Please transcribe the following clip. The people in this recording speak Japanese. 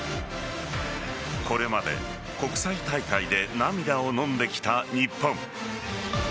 これまで国際大会で涙をのんできた日本。